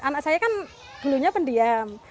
anak saya kan dulunya pendiam